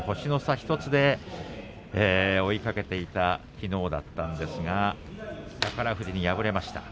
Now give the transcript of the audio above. １つで追いかけていたきのうだったんですが宝富士に敗れました。